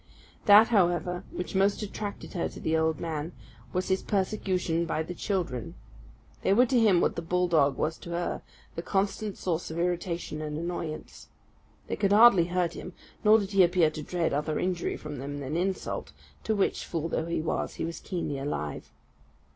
That, however, which most attracted her to the old man, was his persecution by the children. They were to him what the bull dog was to her the constant source of irritation and annoyance. They could hardly hurt him, nor did he appear to dread other injury from them than insult, to which, fool though he was, he was keenly alive.